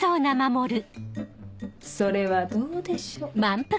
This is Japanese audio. それはどうでしょ？